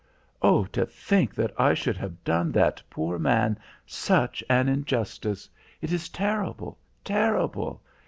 "Oh, to think that I should have done that poor man such an injustice! It is terrible, terrible!